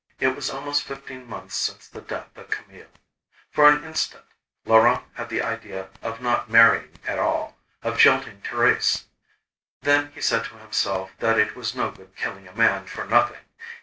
It was almost fifteen months since the death of Camille. For an instant, Laurent had the idea of not marrying at all, of jilting Thérèse. Then he said to himself that it was no good killing a man for nothing.